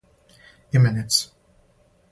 именица